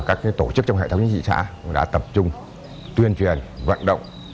các tổ chức trong hệ thống chính trị xã cũng đã tập trung tuyên truyền vận động